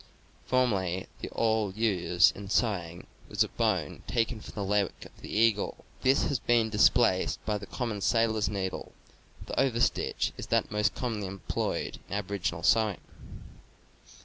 Formerly the awl used in sewing was of bone taken from the leg of the eagle; this has been displaced by the common sailor's needle; the overstitch is that most commonly employed in aboriginal sewing."